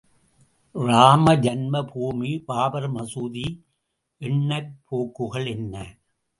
ராமஜன்ம பூமி பாபர் மசூதி எண்ணப் போக்குகள் என்ன?